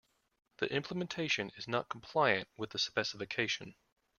The implementation is not compliant with the specification.